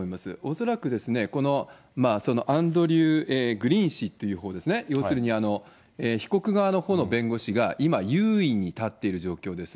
恐らくこの、アンドリュー・グリーン氏っていうほうですね、要するに被告側のほうの弁護士が、今優位に立っている状況です。